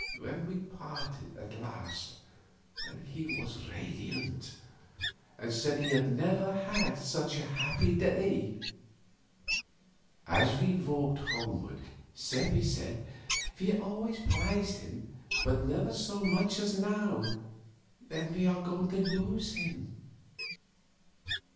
When we parted at last, he was radiant, and said he had never had such a happy day. As we walked along homeward, Seppi said, "We always prized him, but never so much as now, when we are going to lose him."